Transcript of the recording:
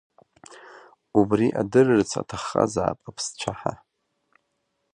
Убри адырырц аҭаххазаап аԥсцәаҳа.